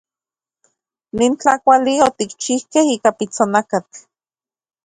Nin tlakuali otikchijkej ika pitsonakatl.